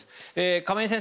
亀井先生